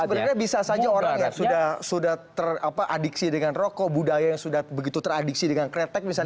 jadi sebenarnya bisa saja orang yang sudah teradiksi dengan rokok budaya yang sudah begitu teradiksi dengan kretek misalnya